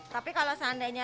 tapi kalau seandainya